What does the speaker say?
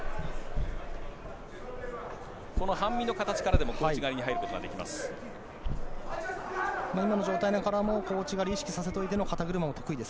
この半身の形からでも小内に入ることはできます。